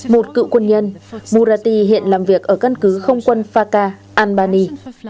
một cựu quân nhân murati hiện làm việc ở căn cứ không quân faka albany